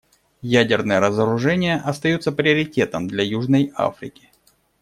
Ядерное разоружение остается приоритетом для Южной Африки.